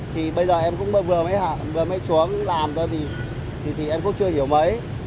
thì bây giờ em cũng vừa mới hạ vừa mới xuống làm thôi thì em cũng chưa hiểu mấy